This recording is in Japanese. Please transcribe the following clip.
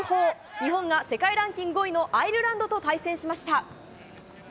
日本が世界ランキング５位のアイルランドと対戦しました。